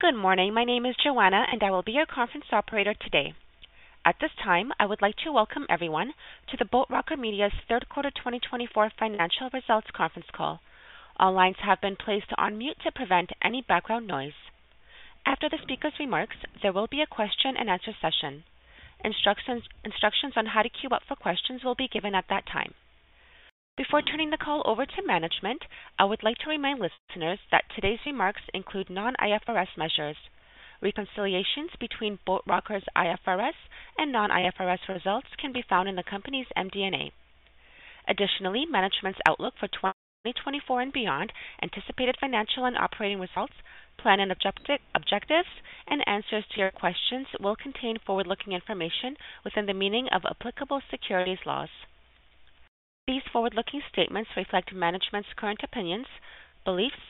Good morning. My name is Joanna, and I will be your conference operator today. At this time, I would like to welcome everyone to the Boat Rocker Media's Third Quarter 2024 Financial Results Conference Call. All lines have been placed on mute to prevent any background noise. After the speakers' remarks, there will be a question-and-answer session. Instructions on how to queue up for questions will be given at that time. Before turning the call over to management, I would like to remind listeners that today's remarks include non-IFRS measures. Reconciliations between Boat Rocker's IFRS and non-IFRS results can be found in the company's MD&A. Additionally, management's Outlook for 2024 and beyond, Anticipated Financial and Operating Results, Plan and Objectives, and Answers to Your Questions will contain forward-looking information within the meaning of applicable securities laws. These forward-looking statements reflect management's current opinions, beliefs,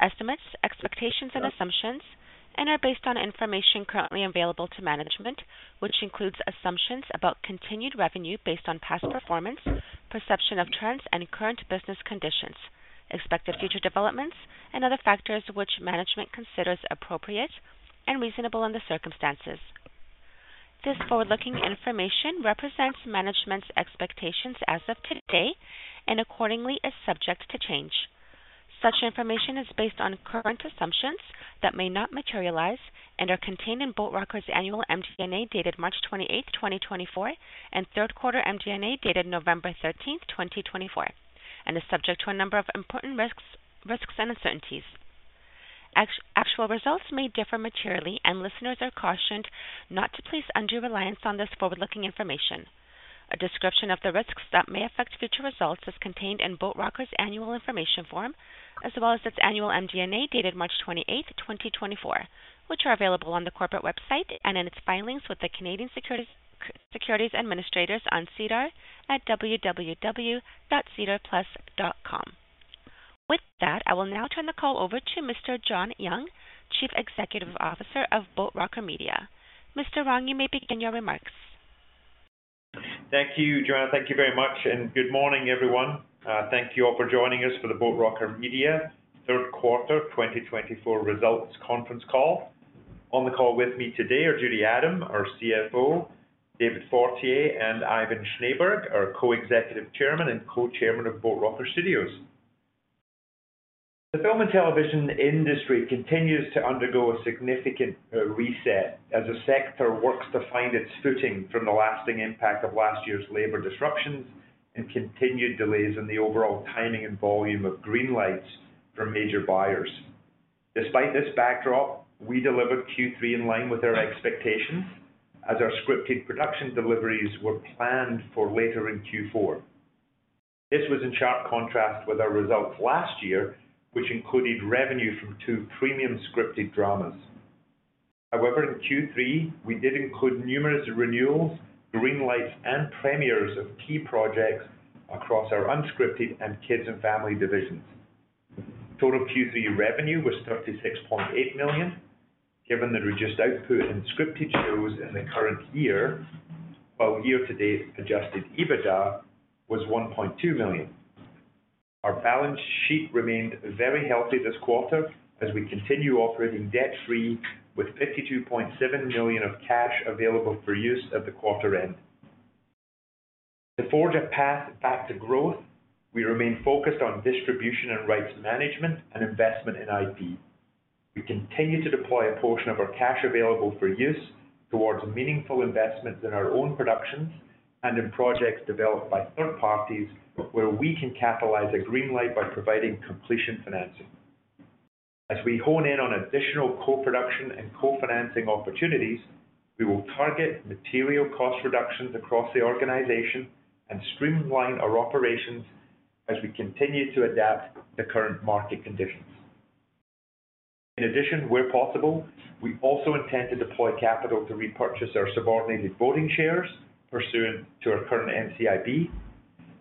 estimates, expectations, and assumptions, and are based on information currently available to management, which includes assumptions about continued revenue based on past performance, perception of trends, and current business conditions, expected future developments, and other factors which management considers appropriate and reasonable in the circumstances. This forward-looking information represents management's expectations as of today and accordingly is subject to change. Such information is based on current assumptions that may not materialize and are contained in Boat Rocker's annual MD&A dated March 28, 2024, and Third Quarter MD&A dated November 13, 2024, and is subject to a number of important risks and uncertainties. Actual results may differ materially, and listeners are cautioned not to place undue reliance on this forward-looking information. A description of the risks that may affect future results is contained in Boat Rocker's annual information form, as well as its annual MD&A dated March 28, 2024, which are available on the corporate website and in its filings with the Canadian Securities Administrators on SEDAR+ at www.sedarplus.com. With that, I will now turn the call over to Mr. John Young, Chief Executive Officer of Boat Rocker Media. Mr. Young, you may begin your remarks. Thank you, Joanna. Thank you very much, and good morning, everyone. Thank you all for joining us for the Boat Rocker Media Third Quarter 2024 Results Conference Call. On the call with me today are Judy Adam, our CFO, David Fortier, and Ivan Schneeberg, our Co-Executive Chairman and Co-Chairman of Boat Rocker Studios. The film and television industry continues to undergo a significant reset as a sector works to find its footing from the lasting impact of last year's labor disruptions and continued delays in the overall timing and volume of green lights from major buyers. Despite this backdrop, we delivered Q3 in line with our expectations as our scripted production deliveries were planned for later in Q4. This was in sharp contrast with our results last year, which included revenue from two premium scripted dramas. However, in Q3, we did include numerous renewals, green lights, and premieres of key projects across our unscripted and kids and family divisions. Total Q3 revenue was 36.8 million, given the reduced output in scripted shows in the current year, while year-to-date Adjusted EBITDA was 1.2 million. Our balance sheet remained very healthy this quarter as we continue operating debt-free with 52.7 million of cash available for use at the quarter end. To forge a path back to growth, we remain focused on distribution and rights management and investment in IP. We continue to deploy a portion of our cash available for use towards meaningful investments in our own productions and in projects developed by third parties where we can capitalize a green light by providing completion financing. As we hone in on additional co-production and co-financing opportunities, we will target material cost reductions across the organization and streamline our operations as we continue to adapt to current market conditions. In addition, where possible, we also intend to deploy capital to repurchase our subordinated voting shares pursuant to our current NCIB.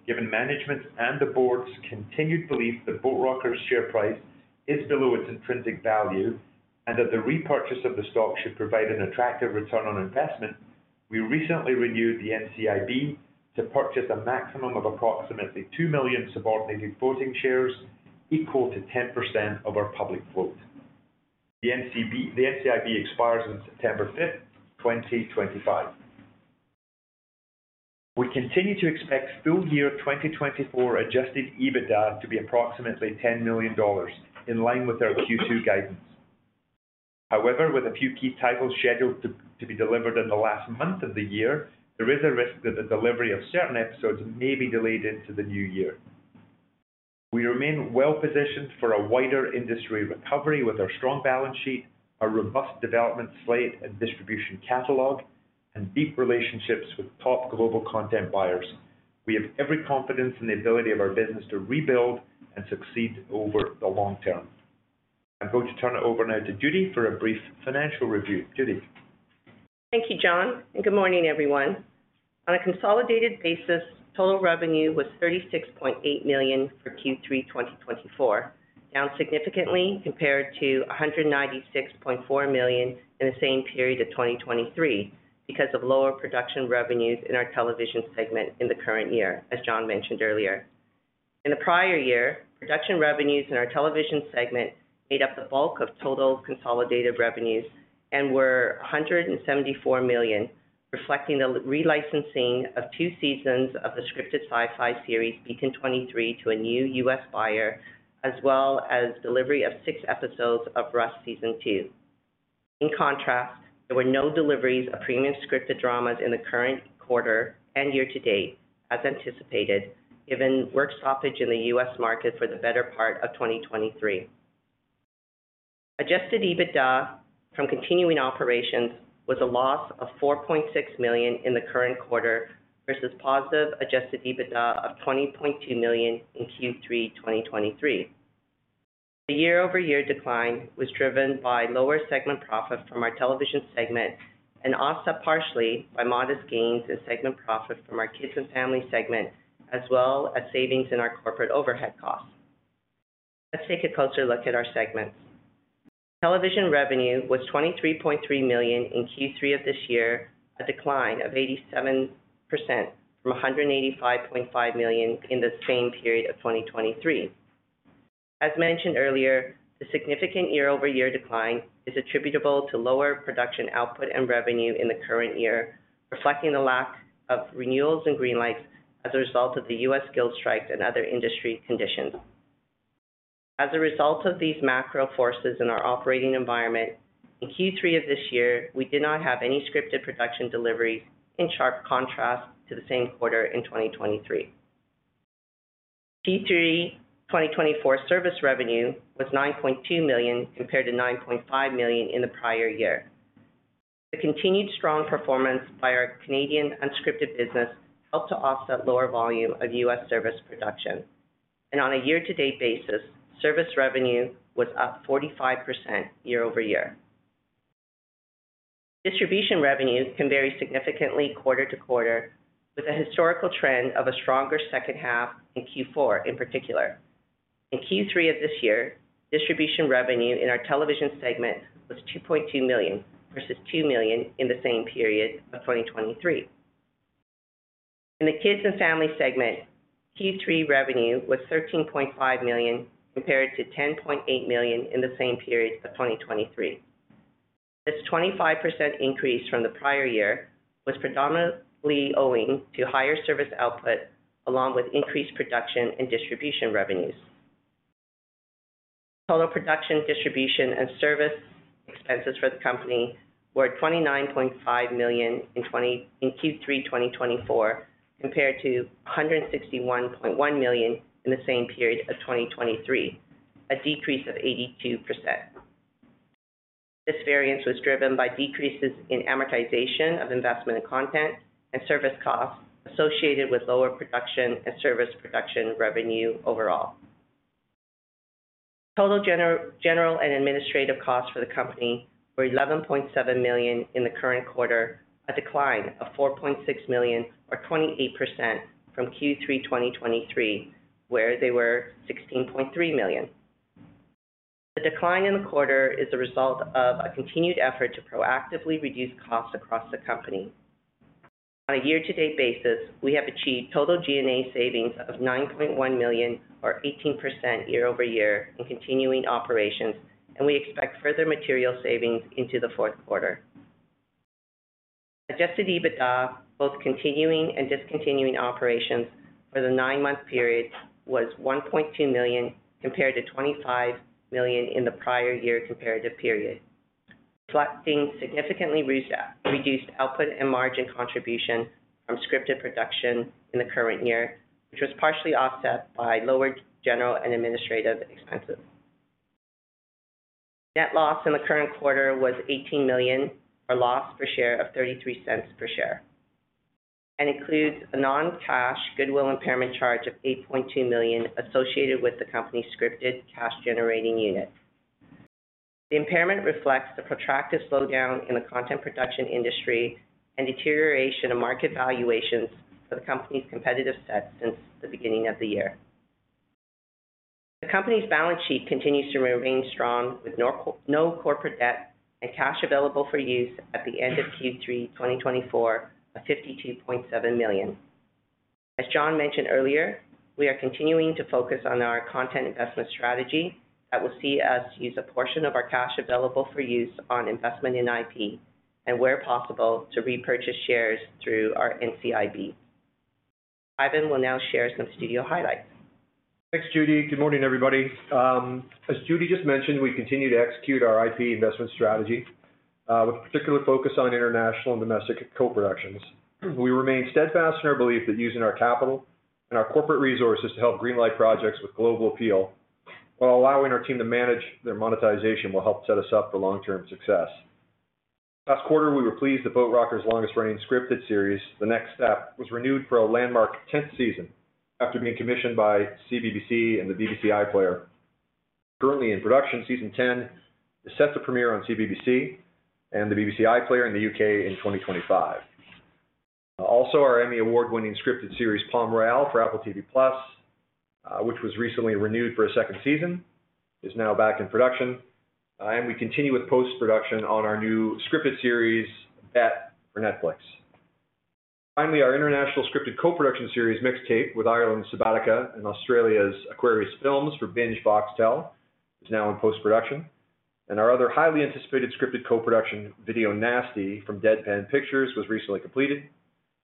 Given management and the board's continued belief that Boat Rocker's share price is below its intrinsic value and that the repurchase of the stock should provide an attractive return on investment, we recently renewed the NCIB to purchase a maximum of approximately 2 million subordinated voting shares equal to 10% of our public float. The NCIB expires on September 5, 2025. We continue to expect full year 2024 Adjusted EBITDA to be approximately 10 million dollars in line with our Q2 guidance. However, with a few key titles scheduled to be delivered in the last month of the year, there is a risk that the delivery of certain episodes may be delayed into the new year. We remain well-positioned for a wider industry recovery with our strong balance sheet, our robust development slate and distribution catalog, and deep relationships with top global content buyers. We have every confidence in the ability of our business to rebuild and succeed over the long term. I'm going to turn it over now to Judy for a brief financial review. Judy. Thank you, John, and good morning, everyone. On a consolidated basis, total revenue was 36.8 million for Q3 2024, down significantly compared to 196.4 million in the same period of 2023 because of lower production revenues in our television segment in the current year, as John mentioned earlier. In the prior year, production revenues in our television segment made up the bulk of total consolidated revenues and were 174 million, reflecting the relicensing of two seasons of the scripted sci-fi series Beacon 23 to a new U.S. buyer, as well as delivery of six episodes of Rust Season 2. In contrast, there were no deliveries of premium scripted dramas in the current quarter and year-to-date, as anticipated, given work stoppage in the U.S. market for the better part of 2023. Adjusted EBITDA from continuing operations was a loss of 4.6 million in the current quarter versus positive adjusted EBITDA of 20.2 million in Q3 2023. The year-over-year decline was driven by lower segment profit from our television segment and offset partially by modest gains in segment profit from our kids and family segment, as well as savings in our corporate overhead costs. Let's take a closer look at our segments. Television revenue was 23.3 million in Q3 of this year, a decline of 87% from 185.5 million in the same period of 2023. As mentioned earlier, the significant year-over-year decline is attributable to lower production output and revenue in the current year, reflecting the lack of renewals and green lights as a result of the U.S. guild strike and other industry conditions. As a result of these macro forces in our operating environment, in Q3 of this year, we did not have any scripted production deliveries in sharp contrast to the same quarter in 2023. Q3 2024 service revenue was CAD 9.2 million compared to CAD 9.5 million in the prior year. The continued strong performance by our Canadian unscripted business helped to offset lower volume of U.S. service production. And on a year-to-date basis, service revenue was up 45% year-over-year. Distribution revenue can vary significantly quarter to quarter, with a historical trend of a stronger second half in Q4 in particular. In Q3 of this year, distribution revenue in our television segment was 2.2 million versus 2 million in the same period of 2023. In the kids and family segment, Q3 revenue was CAD 13.5 million compared to CAD 10.8 million in the same period of 2023. This 25% increase from the prior year was predominantly owing to higher service output along with increased production and distribution revenues. Total production, distribution, and service expenses for the company were 29.5 million in Q3 2024 compared to 161.1 million in the same period of 2023, a decrease of 82%. This variance was driven by decreases in amortization of investment in content and service costs associated with lower production and service production revenue overall. Total general and administrative costs for the company were 11.7 million in the current quarter, a decline of 4.6 million, or 28%, from Q3 2023, where they were 16.3 million. The decline in the quarter is the result of a continued effort to proactively reduce costs across the company. On a year-to-date basis, we have achieved total G&A savings of 9.1 million, or 18% year-over-year, in continuing operations, and we expect further material savings into the fourth quarter. Adjusted EBITDA, both continuing and discontinued operations for the nine-month period, was 1.2 million compared to 25 million in the prior year comparative period, reflecting significantly reduced output and margin contribution from scripted production in the current year, which was partially offset by lower general and administrative expenses. Net loss in the current quarter was 18 million, or loss per share of 0.33 per share, and includes a non-cash goodwill impairment charge of 8.2 million associated with the company's scripted cash-generating unit. The impairment reflects the protracted slowdown in the content production industry and deterioration of market valuations for the company's competitive set since the beginning of the year. The company's balance sheet continues to remain strong with no corporate debt and cash available for use at the end of Q3 2024 of 52.7 million. As John mentioned earlier, we are continuing to focus on our content investment strategy that will see us use a portion of our cash available for use on investment in IP and, where possible, to repurchase shares through our NCIB. Ivan will now share some studio highlights. Thanks, Judy. Good morning, everybody. As Judy just mentioned, we continue to execute our IP investment strategy with a particular focus on international and domestic co-productions. We remain steadfast in our belief that using our capital and our corporate resources to help green light projects with global appeal while allowing our team to manage their monetization will help set us up for long-term success. Last quarter, we were pleased that Boat Rocker's longest-running scripted series, The Next Step, was renewed for a landmark 10th season after being commissioned by CBBC and the BBC iPlayer. Currently in production, Season 10 is set to premiere on CBBC and the BBC iPlayer in the UK in 2025. Also, our Emmy Award-winning scripted series, Palm Royale, for Apple TV+, which was recently renewed for a second season, is now back in production, and we continue with post-production on our new scripted series, Bet, for Netflix. Finally, our international scripted co-production series, Mixtape, with Ireland's Subotica and Australia's Aquarius Films for Binge, Foxtel, is now in post-production. And our other highly anticipated scripted co-production, Video Nasty, from Deadpan Pictures, was recently completed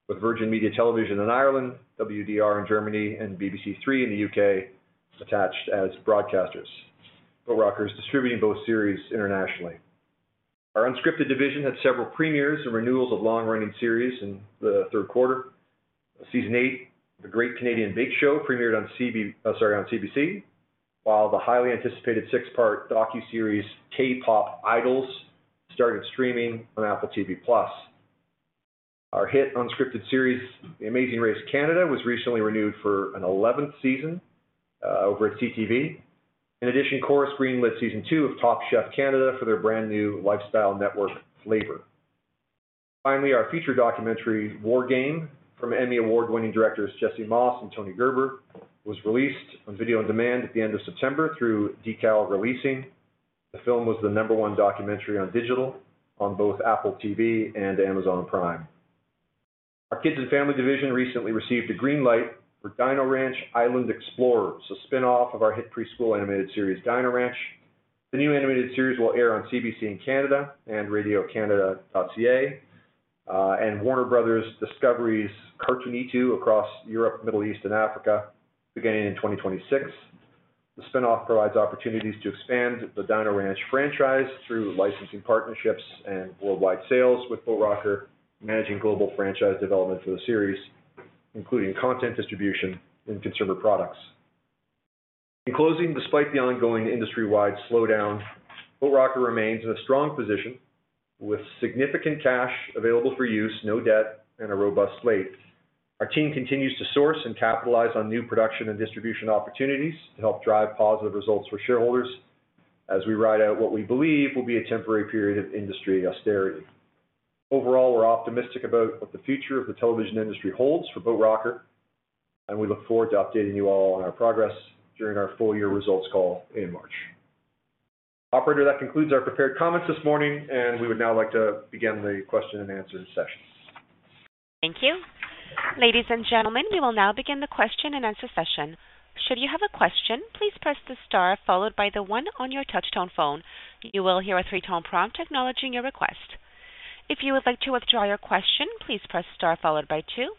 with Virgin Media Television in Ireland, WDR in Germany, and BBC Three in the U.K. attached as broadcasters. Boat Rocker is distributing both series internationally. Our unscripted division had several premieres and renewals of long-running series in the third quarter. Season eight, The Great Canadian Bake Show, premiered on CBC, while the highly anticipated six-part docuseries, K-Pop Idols, started streaming on Apple TV+. Our hit unscripted series, The Amazing Race Canada, was recently renewed for an 11th season over at CTV. In addition, Corus greenlit Season 2 of Top Chef Canada for their brand new lifestyle network, Flavour. Finally, our feature documentary, War Game, from Emmy Award-winning directors Jesse Moss and Tony Gerber, was released on video on demand at the end of September through Decal Releasing. The film was the number one documentary on digital on both Apple TV and Amazon Prime. Our kids and family division recently received a green light for Dino Ranch: Island Explorers, a spinoff of our hit preschool animated series, Dino Ranch. The new animated series will air on CBC in Canada and Radio-Canada.ca and Warner Bros. Discovery's Cartoonito across Europe, the Middle East, and Africa, beginning in 2026. The spinoff provides opportunities to expand the Dino Ranch franchise through licensing partnerships and worldwide sales with Boat Rocker, managing global franchise development for the series, including content distribution and consumer products. In closing, despite the ongoing industry-wide slowdown, Boat Rocker remains in a strong position with significant cash available for use, no debt, and a robust slate. Our team continues to source and capitalize on new production and distribution opportunities to help drive positive results for shareholders as we ride out what we believe will be a temporary period of industry austerity. Overall, we're optimistic about what the future of the television industry holds for Boat Rocker, and we look forward to updating you all on our progress during our full-year results call in March. Operator, that concludes our prepared comments this morning, and we would now like to begin the question and answer session. Thank you. Ladies and gentlemen, we will now begin the question and answer session. Should you have a question, please press the star followed by the one on your touch-tone phone. You will hear a three-tone prompt acknowledging your request. If you would like to withdraw your question, please press star followed by two.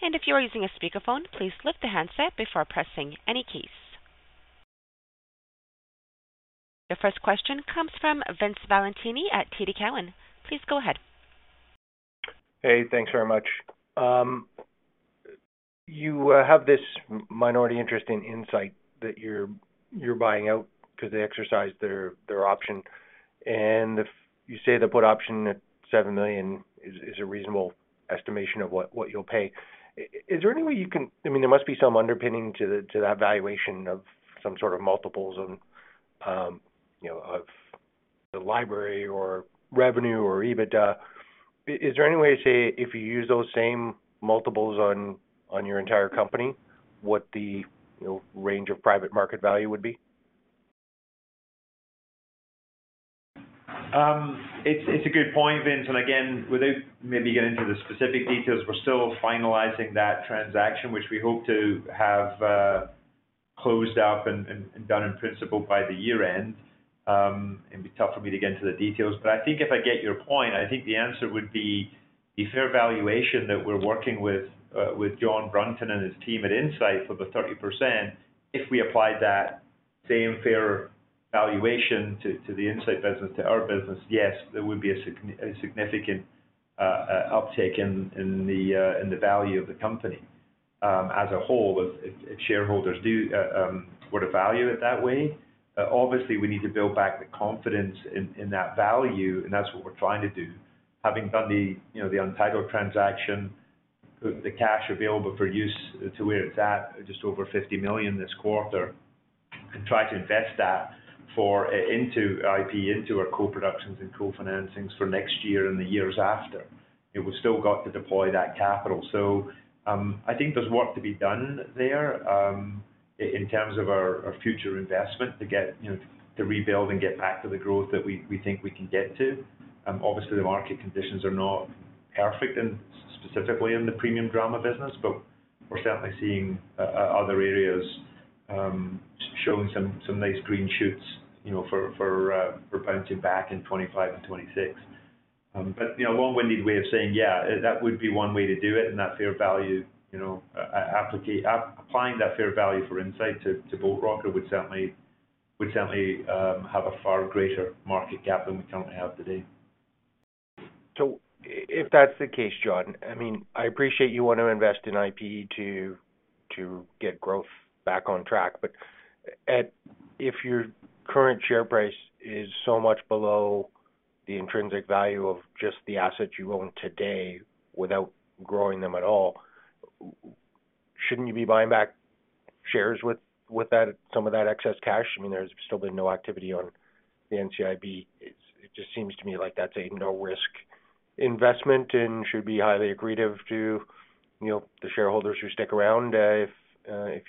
And if you are using a speakerphone, please lift the handset before pressing any keys. Your first question comes from Vince Valentini at TD Cowen. Please go ahead. Hey, thanks very much. You have this minority interest in Insight that you're buying out because they exercised their option. And if you say the put option at 7 million is a reasonable estimation of what you'll pay, is there any way you can, I mean, there must be some underpinning to that valuation of some sort of multiples of the library or revenue or EBITDA. Is there any way to say if you use those same multiples on your entire company, what the range of private market value would be? It's a good point, Vince, and again, without maybe getting into the specific details, we're still finalizing that transaction, which we hope to have closed up and done in principle by the year-end. It'd be tough for me to get into the details, but I think if I get your point, I think the answer would be the fair valuation that we're working with John Brunton and his team at Insight for the 30%. If we applied that same fair valuation to the Insight business, to our business, yes, there would be a significant uptake in the value of the company as a whole if shareholders were to value it that way. Obviously, we need to build back the confidence in that value, and that's what we're trying to do. Having done the Untitled transaction, the cash available for use to where it's at, just over 50 million this quarter, and try to invest that into IP, into our co-productions and co-financings for next year and the years after. We've still got to deploy that capital. So I think there's work to be done there in terms of our future investment to rebuild and get back to the growth that we think we can get to. Obviously, the market conditions are not perfect, specifically in the premium drama business, but we're certainly seeing other areas showing some nice green shoots for bouncing back in 2025 and 2026. But a long-winded way of saying, yeah, that would be one way to do it, and that fair value, applying that fair value for Insight to Boat Rocker would certainly have a far greater market gap than we currently have today. So if that's the case, John, I mean, I appreciate you want to invest in IP to get growth back on track. But if your current share price is so much below the intrinsic value of just the assets you own today without growing them at all, shouldn't you be buying back shares with some of that excess cash? I mean, there's still been no activity on the NCIB. It just seems to me like that's a no-risk investment and should be highly agreeable to the shareholders who stick around if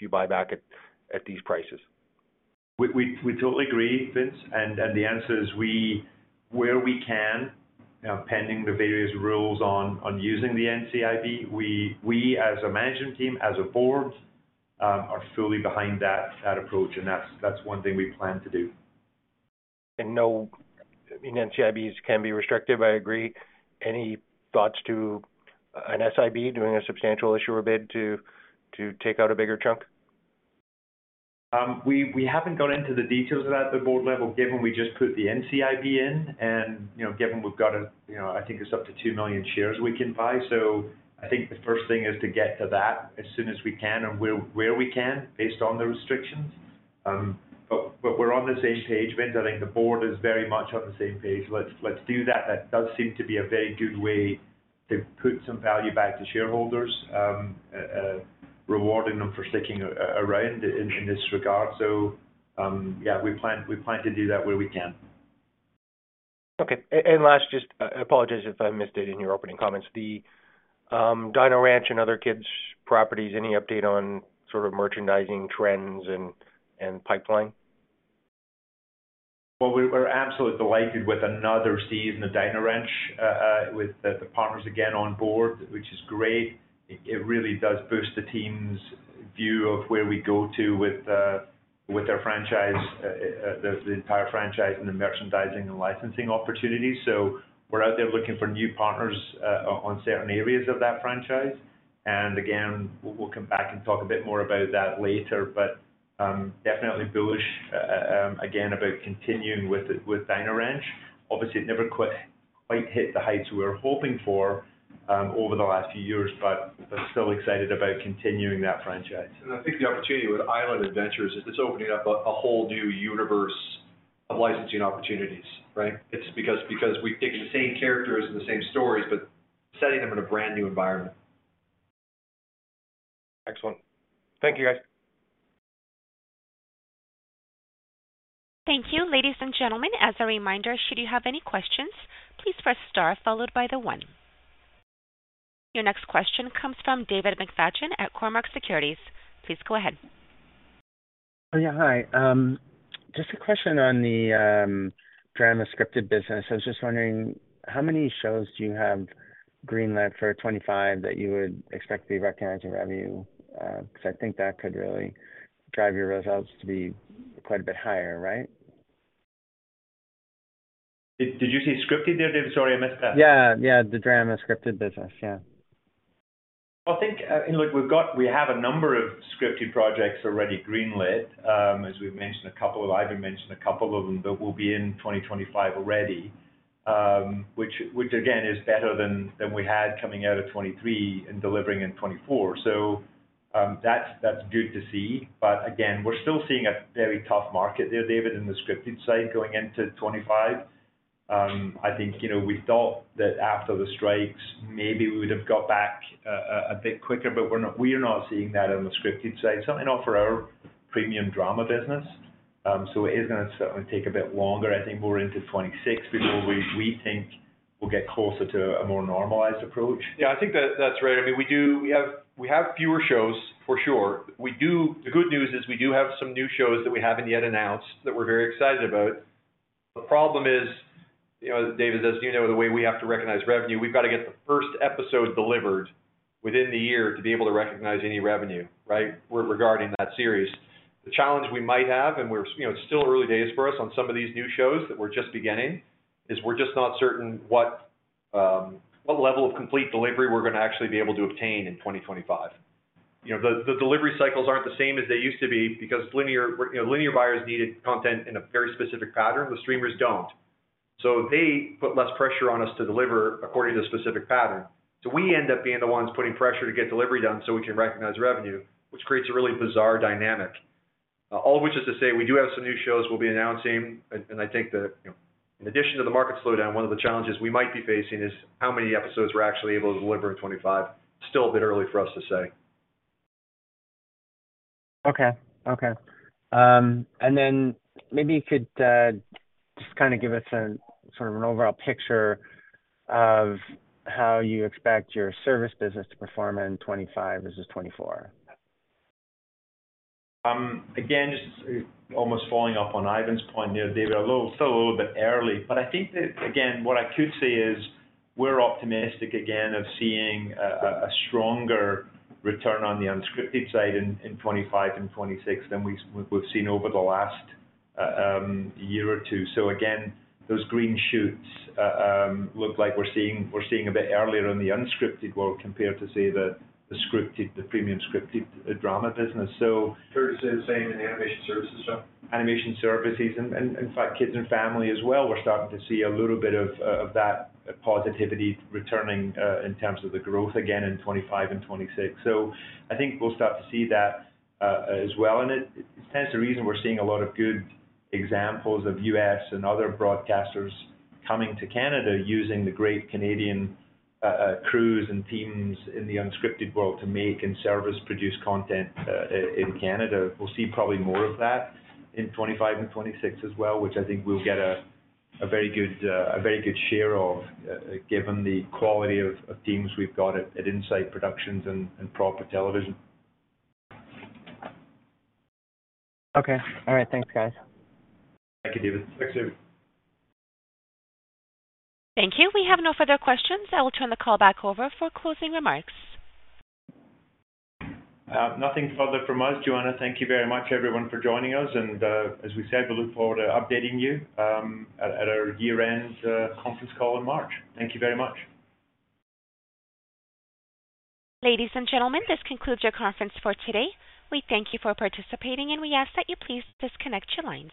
you buy back at these prices. We totally agree, Vince. And the answer is, where we can, pending the various rules on using the NCIB, we, as a management team, as a board, are fully behind that approach. And that's one thing we plan to do. No, I mean, NCIBs can be restricted. I agree. Any thoughts to an SIB doing a substantial issuer bid to take out a bigger chunk? We haven't gone into the details of that at the board level, given we just put the NCIB in, and given we've got, I think, it's up to two million shares we can buy, so I think the first thing is to get to that as soon as we can and where we can based on the restrictions, but we're on the same page, Vince. I think the board is very much on the same page. Let's do that. That does seem to be a very good way to put some value back to shareholders, rewarding them for sticking around in this regard, so yeah, we plan to do that where we can. Okay. And last, just apologies if I missed it in your opening comments. The Dino Ranch and other kids' properties, any update on sort of merchandising trends and pipeline? We're absolutely delighted with another season of Dino Ranch with the partners again on board, which is great. It really does boost the team's view of where we go to with their franchise, the entire franchise, and the merchandising and licensing opportunities. We're out there looking for new partners on certain areas of that franchise. Again, we'll come back and talk a bit more about that later. Definitely bullish, again, about continuing with Dino Ranch. Obviously, it never quite hit the heights we were hoping for over the last few years, but still excited about continuing that franchise. I think the opportunity with Island Explorers is it's opening up a whole new universe of licensing opportunities, right? It's because we pick the same characters and the same stories, but setting them in a brand new environment. Excellent. Thank you, guys. Thank you. Ladies and gentlemen, as a reminder, should you have any questions, please press star followed by the one. Your next question comes from David McFadgen at Cormark Securities. Please go ahead. Hi. Just a question on the drama scripted business. I was just wondering, how many shows do you have green lit for 2025 that you would expect to be recognized in revenue? Because I think that could really drive your results to be quite a bit higher, right? Did you say scripted there, David? Sorry, I missed that. Yeah. Yeah, the drama scripted business. Yeah. Well, I think, look, we have a number of scripted projects already green lit, as we've mentioned a couple of, I've even mentioned a couple of them that will be in 2025 already, which, again, is better than we had coming out of 2023 and delivering in 2024. So that's good to see. But again, we're still seeing a very tough market there, David, in the scripted side going into 2025. I think we thought that after the strikes, maybe we would have got back a bit quicker, but we're not seeing that on the scripted side. Something off our premium drama business. So it is going to certainly take a bit longer. I think we're into 2026 before we think we'll get closer to a more normalized approach. Yeah, I think that's right. I mean, we have fewer shows, for sure. The good news is we do have some new shows that we haven't yet announced that we're very excited about. The problem is, David, as you know, the way we have to recognize revenue, we've got to get the first episode delivered within the year to be able to recognize any revenue, right, regarding that series. The challenge we might have, and it's still early days for us on some of these new shows that we're just beginning, is we're just not certain what level of complete delivery we're going to actually be able to obtain in 2025. The delivery cycles aren't the same as they used to be because linear buyers needed content in a very specific pattern. The streamers don't. So they put less pressure on us to deliver according to a specific pattern. So we end up being the ones putting pressure to get delivery done so we can recognize revenue, which creates a really bizarre dynamic. All of which is to say we do have some new shows we'll be announcing. And I think that in addition to the market slowdown, one of the challenges we might be facing is how many episodes we're actually able to deliver in 2025. Still a bit early for us to say. Okay. Okay. And then maybe you could just kind of give us sort of an overall picture of how you expect your service business to perform in 2025 versus 2024? Again, just almost following up on Ivan's point, David, still a little bit early. But I think that, again, what I could say is we're optimistic again of seeing a stronger return on the unscripted side in 2025 and 2026 than we've seen over the last year or two. So again, those green shoots look like we're seeing a bit earlier in the unscripted world compared to, say, the premium scripted drama business. So. Currently, say the same in the animation services show? Animation services and, in fact, kids and family as well. We're starting to see a little bit of that positivity returning in terms of the growth again in 2025 and 2026, so I think we'll start to see that as well, and it stands to reason we're seeing a lot of good examples of U.S. and other broadcasters coming to Canada using the great Canadian crews and teams in the unscripted world to make and service-produce content in Canada. We'll see probably more of that in 2025 and 2026 as well, which I think we'll get a very good share of given the quality of teams we've got at Insight Productions and Proper Television. Okay. All right. Thanks, guys. Thank you, David. Thank you. Thank you. We have no further questions. I will turn the call back over for closing remarks. Nothing further from us. Joanna, thank you very much, everyone, for joining us. And as we said, we look forward to updating you at our year-end conference call in March. Thank you very much. Ladies and gentlemen, this concludes your conference for today. We thank you for participating, and we ask that you please disconnect your lines.